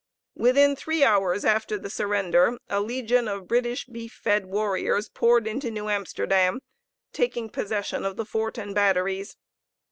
Within three hours after the surrender, a legion of British beef fed warriors poured into New Amsterdam, taking possession of the fort and batteries.